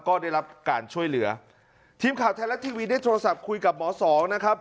ก็ได้รับการช่วยเหลือทีมข่าวไทยรัฐทีวีได้โทรศัพท์คุยกับหมอสองนะครับ